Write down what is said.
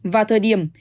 và thời điểm